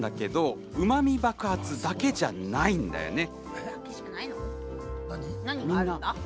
うまみ爆発だけじゃないんだよね。